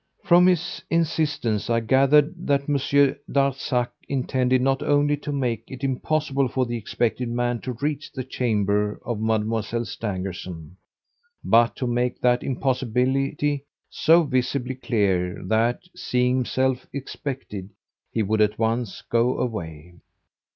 "From his insistence I gathered that Monsieur Darzac intended not only to make it impossible for the expected man to reach the chamber of Mademoiselle Stangerson, but to make that impossibility so visibly clear that, seeing himself expected, he would at once go away.